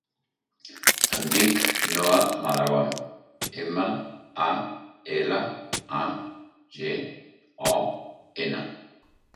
Em dic Noha Malagon: ema, a, ela, a, ge, o, ena.